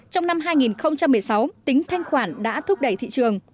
trong năm hai nghìn một mươi sáu tính thanh khoản đã thúc đẩy thị trường